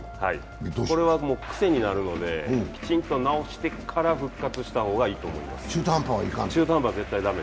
これは癖になるので、きちんと治してから復活した方がいいと思います。